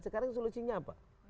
sekarang solusinya apa